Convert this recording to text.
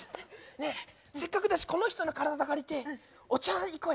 ねえせっかくだしこの人の体借りてお茶行こうよ。